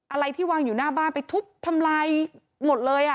อะไรที่วางอยู่หน้าบ้านไปทุบทำลายหมดเลย